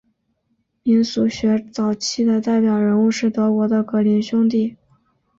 民俗学早期的代表人物是德国的格林兄弟。